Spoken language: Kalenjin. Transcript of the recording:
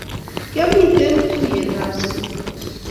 kiamite tuyietab sukul